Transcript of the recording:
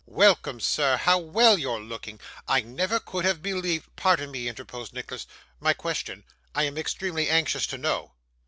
'Welcome, sir. How well you're looking! I never could have believed ' 'Pardon me,' interposed Nicholas. 'My question I am extremely anxious to know.